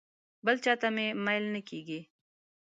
بل چاته مې میل نه کېږي.